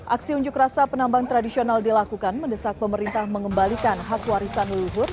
aksi unjuk rasa penambang tradisional dilakukan mendesak pemerintah mengembalikan hak warisan leluhur